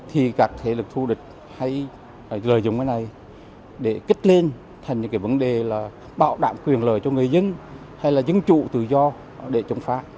hãy lợi dụng cái này để kích lên thành những cái vấn đề là bạo đạm quyền lời cho người dân hay là dân chủ tự do để chống phá